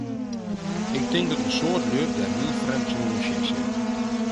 Ik tink dat in soad lju dêr hiel frjemd tsjinoan sjen sille.